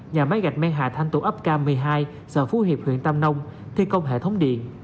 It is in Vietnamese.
nhà máy gạch men hà thanh tổ ấp k một mươi hai xã phú hiệp huyện tam nông thi công hệ thống điện